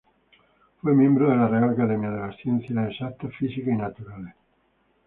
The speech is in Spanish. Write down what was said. Fue miembro de la Real Academia de las Ciencias Exactas, Físicas y Naturales.